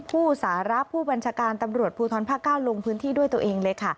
ผู้สาระผู้บัญชาการตำรวจภูทรภาค๙ลงพื้นที่ด้วยตัวเองเลยค่ะ